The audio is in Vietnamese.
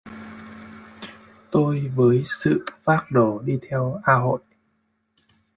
Tôi với Sự vác đồ đi theo A Hội